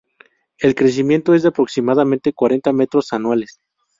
El crecimiento es de aproximadamente cuarenta metros anuales.